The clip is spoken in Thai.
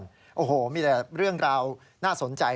โอ้โหมีแต่เรื่องราวน่าสนใจ